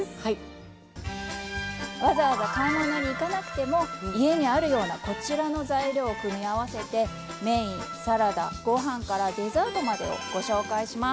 わざわざ買い物に行かなくても家にあるようなこちらの材料を組み合わせてメインサラダご飯からデザートまでをご紹介します。